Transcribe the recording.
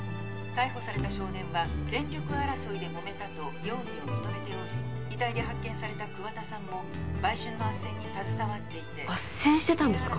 逮捕された少年は「権力争いで揉めた」と容疑を認めており遺体で発見された桑田さんも売春の斡旋に携わっていて斡旋してたんですか！？